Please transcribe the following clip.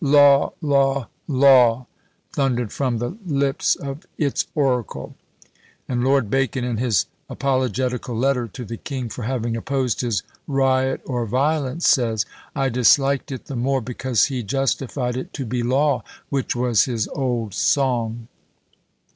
"Law! Law! Law!" thundered from the lips of "its oracle;" and Lord Bacon, in his apologetical letter to the king for having opposed his "riot or violence," says, "I disliked it the more, because he justified it to be law, which was his old song."